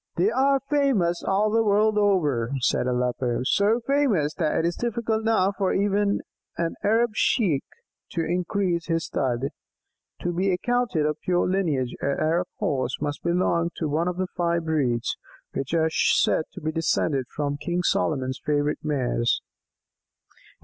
"They are famous all the world over," said Aleppo; "so famous that it is difficult now for even an Arab Sheik to increase his stud. To be accounted of pure lineage, an Arab Horse must belong to one of the five breeds which are said to be descended from King Solomon's favourite mares!